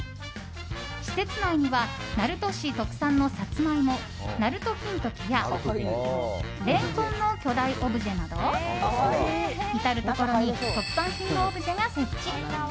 施設内には鳴門市特産のサツマイモ、鳴門金時やレンコンの巨大オブジェなど至るところに特産品のオブジェが設置。